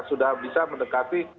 sudah bisa mendekati